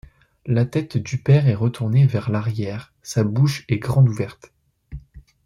La tête du père est retournée vers l'arrière, sa bouche est grande ouverte.